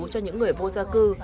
cho những người vô gia cư